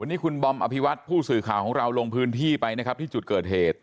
วันนี้คุณบอมอภิวัตผู้สื่อข่าวของเราลงพื้นที่ไปนะครับที่จุดเกิดเหตุ